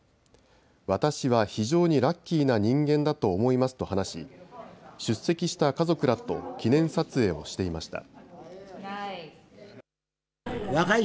私は非常にラッキーな人間だと思いますと話し、出席した家族らと記念撮影をしていました。